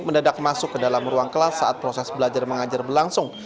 mendadak masuk ke dalam ruang kelas saat proses belajar mengajar berlangsung